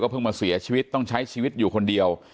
เพิ่งมาเสียชีวิตต้องใช้ชีวิตอยู่คนเดียว